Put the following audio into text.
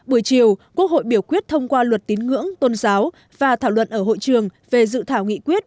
buổi chiều quốc hội biểu quyết thông qua luật tín ngưỡng tôn giáo và thảo luận ở hội trường về dự thảo nghị quyết